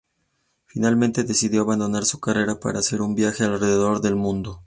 Finalmente, decidió abandonar su carrera para hacer un viaje alrededor del mundo.